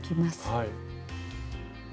はい。